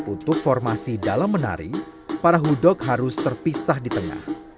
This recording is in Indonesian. untuk formasi dalam menari para hudok harus terpisah di tengah